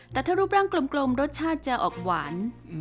แต่ถ้ารูปร่างกลมรสชาติจะออกหวาน